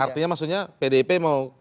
artinya maksudnya pdip mau